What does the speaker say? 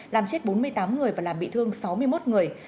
làm chết bốn mươi tám người và làm bị thương sáu mươi một người